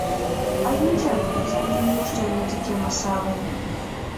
Але не трэба казаць, што яны такія масавыя.